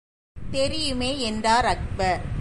தெரியுமே என்றார் அக்பர்.